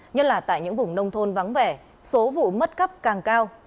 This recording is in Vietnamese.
nhất là tại những vùng nông thôn vắng vẻ số vụ mất cắp càng cao